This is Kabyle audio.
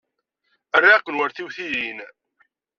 Riɣ-ken war tiwtilin.